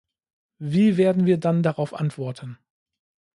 Wie werden wir dann darauf antworten?